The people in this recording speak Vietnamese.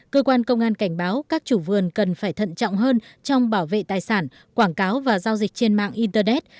cơ quan công an cảnh báo các chủ vườn cần phải thận trọng hơn trong bảo vệ tài sản quảng cáo và giao dịch trên mạng internet